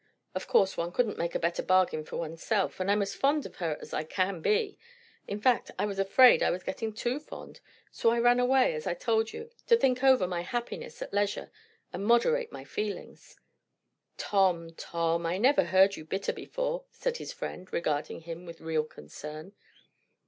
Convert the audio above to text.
Of course one couldn't make a better bargain for oneself. And I'm as fond of her as I can be; in fact, I was afraid I was getting too fond. So I ran away, as I told you, to think over my happiness at leisure, and moderate my feelings." "Tom, Tom, I never heard you bitter before," said his friend, regarding him with real concern.